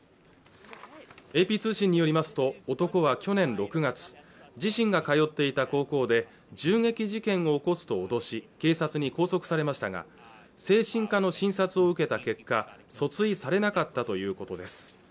ＡＰ通信によりますと男は去年６月自身がかよっていた高校で銃撃事件を起こすと脅し警察に拘束されましたが精神科の診察を受けた結果訴追されなかったということです